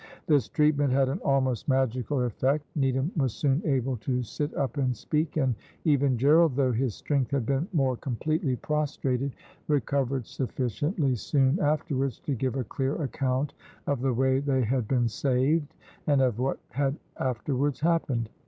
This treatment had an almost magical effect Needham was soon able to sit up and speak, and even Gerald, though his strength had been more completely prostrated, recovered sufficiently soon afterwards to give a clear account of the way they had been saved, and of what had afterwards happened.